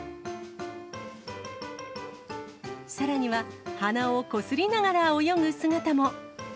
さらには、鼻をこすりながら泳ぐ姿も。